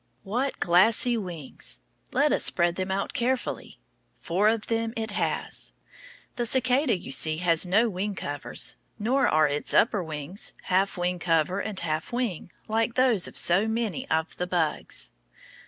What glassy wings! Let us spread them out carefully. Four of them it has. The cicada, you see, has no wing covers. Nor are its upper wings, half wing cover, and half wing, like those of so many of the bugs.